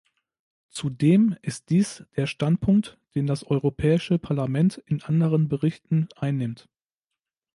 Zudem ist dies der Standpunkt, den das Europäische Parlament in anderen Berichten einnimmt.